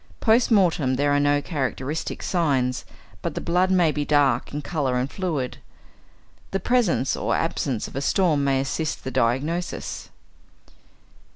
Post mortem there are no characteristic signs, but the blood may be dark in colour and fluid. The presence or absence of a storm may assist the diagnosis.